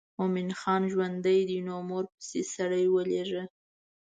مومن خان ژوندی دی نو مور پسې سړی ولېږه.